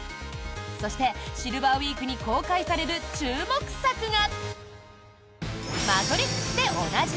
そしてシルバーウィークに公開される注目作が。